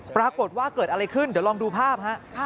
ปรากฏว่าเกิดอะไรขึ้นเดี๋ยวลองดูภาพฮะ